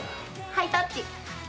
ハイタッチ。